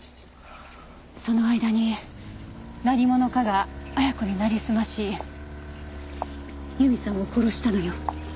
その間に何者かが亜矢子になりすまし由美さんを殺したのよ。